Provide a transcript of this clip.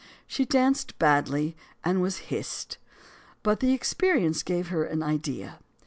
She danced badly and was hissed. But the experience gave her an idea.